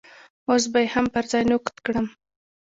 اوس به يې هم پر ځای نقد کړم.